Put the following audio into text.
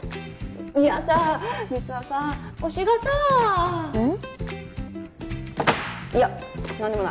いやさ実はさ推しがさうん？